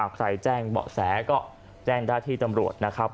ใครแจ้งเบาะแสก็แจ้งได้ที่ตำรวจนะครับ